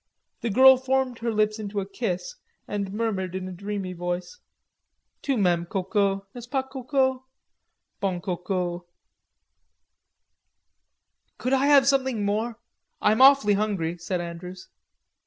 The girl formed her lips into a kiss, and murmured in a drowsy voice: "Tu m'aimes, Coco, n'est ce pas, Coco? Bon Coco." "Could I have something more, I'm awfully hungry," said Andrews.